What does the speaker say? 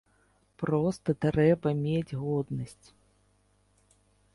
Проста трэба мець годнасць!